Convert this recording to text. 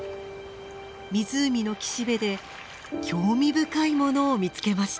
湖の岸辺で興味深いものを見つけました。